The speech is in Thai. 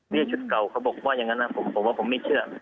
นี่ชุดเก่าเขาบอกว่าอย่างนั้นนะผมว่าผมไม่เชื่อ